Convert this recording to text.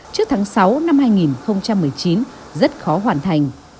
trước tháng sáu năm hai nghìn một mươi chín rất khó hoàn thành